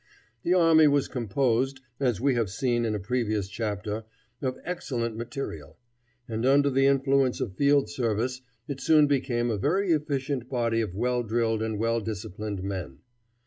The army was composed, as we have seen in a previous chapter, of excellent material; and under the influence of field service it soon became a very efficient body of well drilled and well disciplined men.